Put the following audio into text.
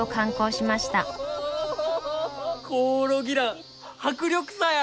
コオロギラン迫力さえある！